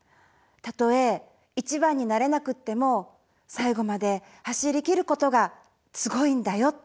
「たとえ１番になれなくっても最後まで走りきることがすごいんだよ」